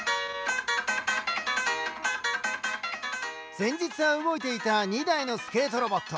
前日は動いていた２台のスケートロボット。